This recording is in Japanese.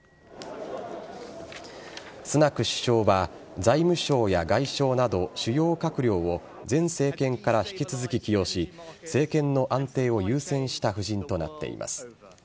スナク首相は財務相や外相など主要閣僚を前政権から引き続き起用し政権の安定を優先した布陣となっています。